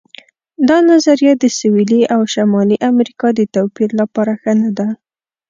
دا نظریه د سویلي او شمالي امریکا د توپیر لپاره ښه نه ده.